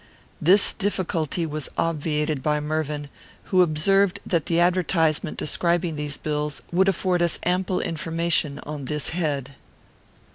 This difficulty was obviated by Mervyn, who observed that the advertisement describing these bills would afford us ample information on this head.